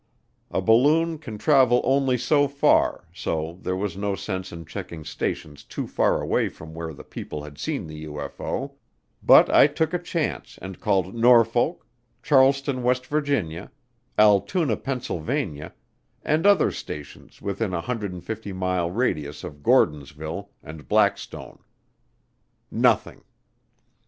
A balloon can travel only so far, so there was no sense in checking stations too far away from where the people had seen the UFO, but I took a chance and called Norfolk; Charleston, West Virginia; Altoona, Pennsylvania; and other stations within a 150 mile radius of Gordonsville and Blackstone. Nothing.